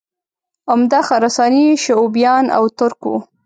عمده خراساني شعوبیان او ترک وو